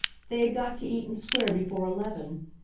They had got to Eaton Square before eleven.